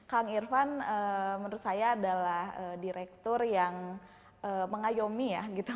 kang irfan menurut saya adalah direktur yang mengayomi ya gitu